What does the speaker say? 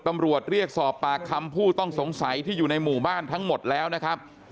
ตำรวจเรียกสอบปากคำผู้ต้องสงสัยที่อยู่ในหมู่บ้านทั้งหมดแล้วนะครับ